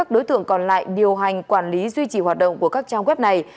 đối tượng còn lại điều hành quản lý duy trì hoạt động của các trang web này